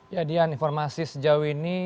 ya dian informasi sejauh ini